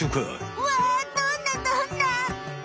うわどんなどんな？